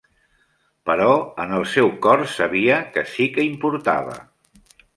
Però en el seu cor sabia que sí que importava.